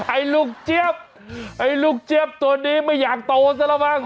ไอ้ลูกเจี๊ยบไอ้ลูกเจี๊ยบตัวนี้ไม่อยากโตซะแล้วมั้ง